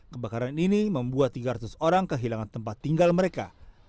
kebakaran ini membuat tiga ratus orang kehilangan tempat tinggal mereka